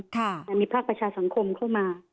แต่มีภาคประชาสังคมเข้ามา